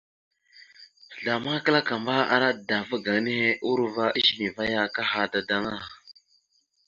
Zlama kǝlakamba, ara dava gaŋa nehe urova ezine va ya akaha dadaŋa.